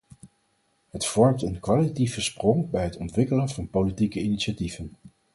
Het vormt een kwalitatieve sprong bij het ontwikkelen van politieke initiatieven.